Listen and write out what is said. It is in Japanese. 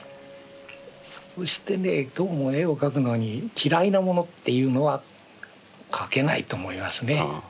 そしてねどうも絵を描くのに嫌いなものっていうのは描けないと思いますね。